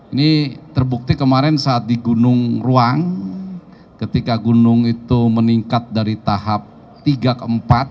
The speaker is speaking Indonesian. ini terbukti kemarin saat di gunung ruang ketika gunung itu meningkat dari tahap tiga ke empat